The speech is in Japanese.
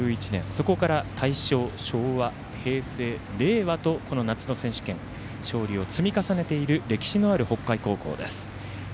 そこから大正、昭和、平成、令和とこの夏の選手権勝利を積み重ねている歴史のある北海高校です。